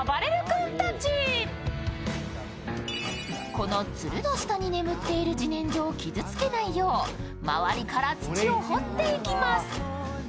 このつるの下に眠っている自然薯を傷つけないよう周りから土を掘っていきます。